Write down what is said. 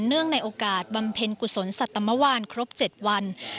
เนื่องในโอกาสบำเพ็ญกุศลสัตมวานครบ๗วัน